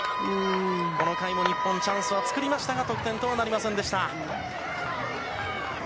この回も日本、チャンスは作りましたが、得点とはなりませんでした。